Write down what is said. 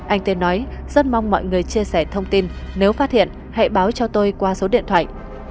anh t nói rất mong mọi người chia sẻ thông tin nếu phát hiện hãy báo cho tôi qua số điện thoại tám mươi ba tám trăm bốn mươi tám ba nghìn bảy trăm bảy mươi bảy